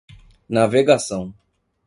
navegação